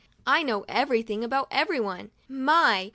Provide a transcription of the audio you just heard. I know everything about everyone now. My